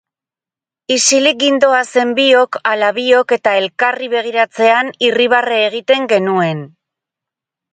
Isilik gindoazen biok ala biok eta elkarri begiratzean irribarre egiten genuen.